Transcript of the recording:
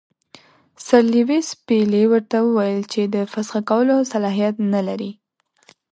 سر لیویس پیلي ورته وویل چې د فسخ کولو صلاحیت نه لري.